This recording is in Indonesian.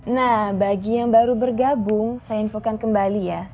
nah bagi yang baru bergabung saya infokan kembali ya